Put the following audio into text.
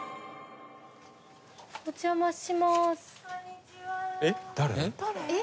お邪魔します。